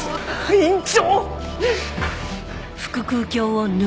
院長！